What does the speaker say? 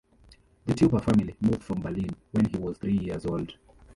The Tupper family moved from Berlin when he was three years old.